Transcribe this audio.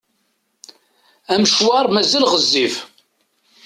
Amecwar mazal ɣezzif.